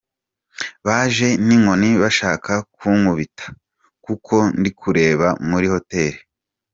Baje ninkoni bashaka kunkubita kuko ndikureba muri hoteli.